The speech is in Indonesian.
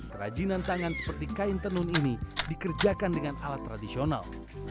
kerajinan tangan seperti kain tenun ini dikerjakan dengan alat tradisional